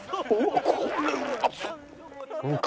これうまそう！